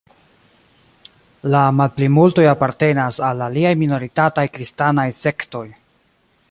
La malplimultoj apartenas al aliaj minoritataj kristanaj sektoj.